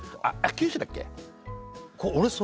九州だっけ？